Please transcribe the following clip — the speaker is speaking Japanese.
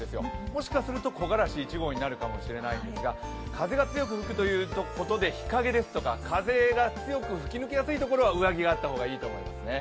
もしかすると木枯らし１号になるかもしれないんですが、風が強く吹くということで日陰ですとか風が強く吹き抜けやすいところは上着があった方がいいかもしれませんね。